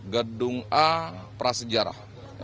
gedung a prasejarah